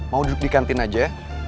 mau duduk di kantin aja